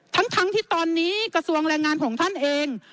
ทั้งที่ตอนนี้กระทรวงแรงงานของท่านเอง